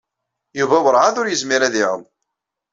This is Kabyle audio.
Yuba werɛad ur yezmir ad iɛum.